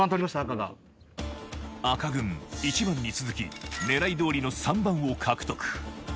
赤軍１番に続き狙いどおりの３番を獲得